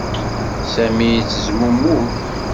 Sami yettezmumug.